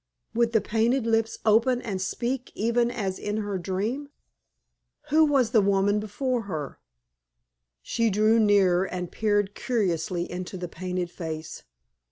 Would the painted lips open and speak even as in her dream? Who was the woman before her? She drew nearer and peered curiously into the painted face.